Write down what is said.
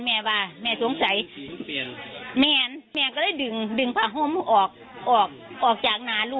มิกัตหนี้ยังปัญหานี้